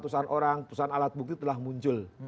ratusan orang perusahaan alat bukti telah muncul